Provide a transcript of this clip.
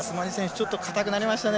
ちょっと硬くなりましたね。